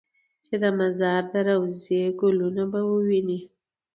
چې د مزار د روضې ګلونه به ووینې.